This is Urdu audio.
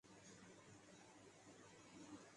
ایم قیو ایم کی جانب سے پریس کانفرنس کی گئی